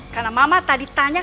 karena mama tadi tanya